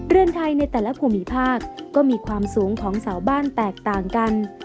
เรือนไทยในแต่ละภูมิภาคก็มีความสูงของเสาบ้านแตกต่างกัน